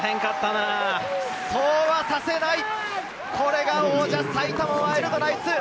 そうはさせない、これが王者・埼玉ワイルドナイツ。